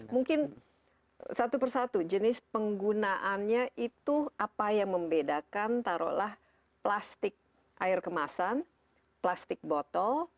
mungkin satu persatu jenis penggunaannya itu apa yang membedakan taruhlah plastik air kemasan plastik botol